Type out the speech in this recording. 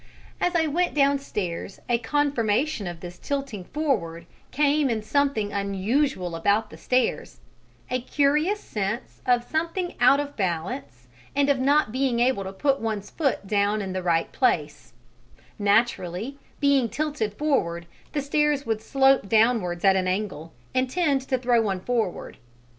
As I went downstairs a confirmation of this tilting forward came in something unusual about the stairs, a curious sense of something out of balance and of not being able to put one's feet down in the right place: naturally, being tilted forward, the stairs would slope downwards at an angle and tend to throw one forward.